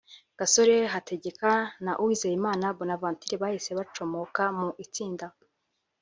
Gasore Hategeka na Uwizeyimana Bonaventure bahise bacomoka mu itsinda